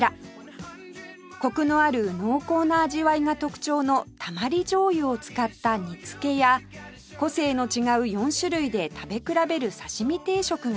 コクのある濃厚な味わいが特徴の溜り醤油を使った煮付けや個性の違う４種類で食べ比べる刺し身定食が人気